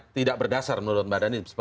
tidak berdasar menurut mbak dhani